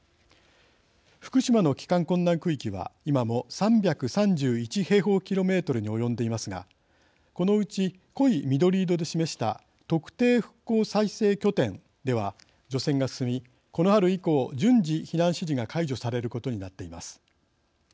福島の帰還困難区域は今も３３１平方キロメートルに及んでいますがこのうち濃い緑色で示した特定復興再生拠点では除染が進みこの春以降順次、避難指示が解除されることになっています。